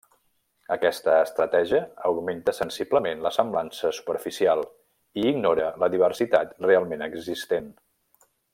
Aquesta estratègia augmenta sensiblement la semblança superficial i ignora la diversitat realment existent.